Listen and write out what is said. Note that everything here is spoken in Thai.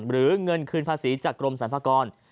หรือเงินคืนภาษีจากกรมสรรพากร